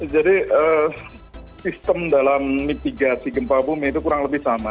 jadi sistem dalam mitigasi gempa bumi itu kurang lebih sama